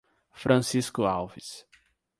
Francisco Alves